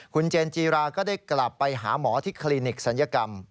คุณเจนจีราก็ได้กลับไปหาหมอที่คลินิกศัลยกรรม